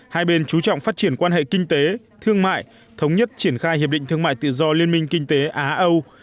hai bên chú trọng phát triển quan hệ kinh tế thương mại thống nhất triển khai hiệp định thương mại tự do liên minh kinh tế á âu